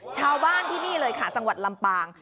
ชาวบ้านที่นี่เลยค่ะจังหวัดลำปาง